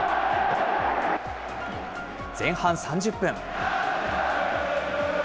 前半３０分。